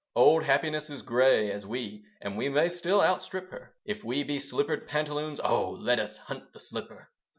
Old happiness is grey as we, And we may still outstrip her; If we be slippered pantaloons, Oh let us hunt the slipper!